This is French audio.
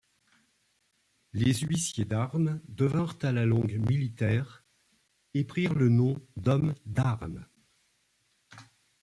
Les huissiers d'armes devinrent à la longue, militaires et prirent le nom d'hommes d'armes.